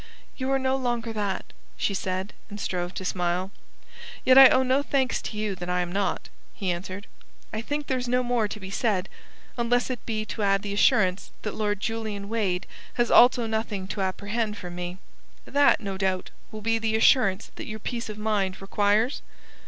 "You are no longer that," she said, and strove to smile. "Yet I owe no thanks to you that I am not," he answered. "I think there's no more to be said, unless it be to add the assurance that Lord Julian Wade has also nothing to apprehend from me. That, no doubt, will be the assurance that your peace of mind requires?"